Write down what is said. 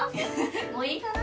もういいかな？